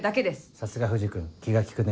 さすが藤君気が利くね。